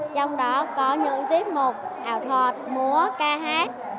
trong đó có những tiết mục ảo múa ca hát